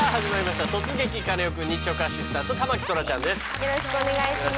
よろしくお願いします。